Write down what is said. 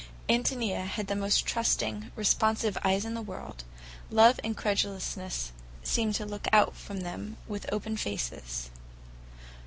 Ántonia had the most trusting, responsive eyes in the world; love and credulousness seemed to look out of them with open faces.